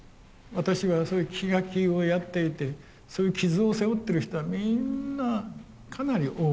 私はそういう聞き書きをやっていてそういう傷を背負ってる人はみんなかなり多い。